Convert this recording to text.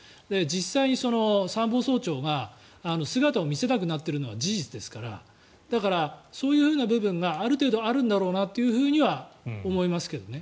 実際に参謀総長が姿を見せなくなっているのは事実ですからだから、そういう部分がある程度あるんだろうなとは思いますけどね。